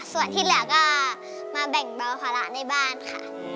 ส่วนที่เหลือก็มาแบ่งเบาภาระในบ้านค่ะ